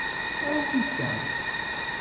Awi ta.